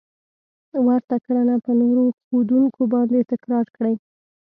ورته کړنه په نورو ښودونکو باندې تکرار کړئ.